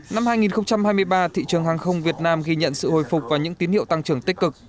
năm hai nghìn hai mươi ba thị trường hàng không việt nam ghi nhận sự hồi phục và những tín hiệu tăng trưởng tích cực